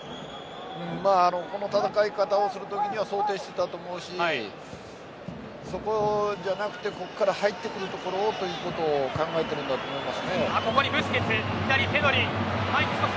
この戦い方をする時には想定していたと思いますしそこじゃなくて入ってくるところを考えているんだと思います。